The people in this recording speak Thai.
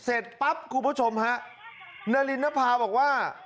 เอ้าลูกผ้าจอมไหนน้ำพา